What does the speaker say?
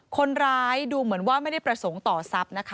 คนร้ายดูเหมือนว่าไม่ได้ประสงค์ต่อทรัพย์นะคะ